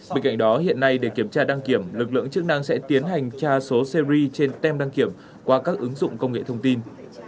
bên cạnh đó hiện nay để kiểm tra đăng kiểm lực lượng chức năng sẽ tiến hành tra số series trên tem đăng kiểm qua các ứng dụng công nghệ thông tin